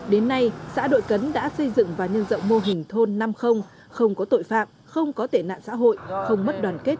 đến nay xã đội cấn đã xây dựng và nhân rộng mô hình thôn năm không có tội phạm không có tệ nạn xã hội không mất đoàn kết